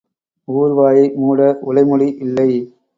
ஊர் வாயை மூட உலைமுடி இல்லை.